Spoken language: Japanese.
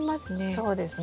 そうですね。